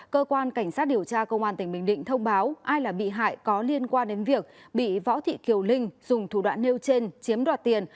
cơ quan cảnh sát điều tra công an tỉnh bình định thông báo ai là bị hại có liên quan đến việc bị võ thị thiều linh dùng thủ đoạn nêu trên chiếm đoạt tiền